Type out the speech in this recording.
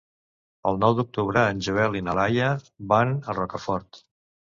El nou d'octubre en Joel i na Laia van a Rocafort.